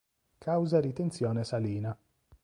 Causa ritenzione salina.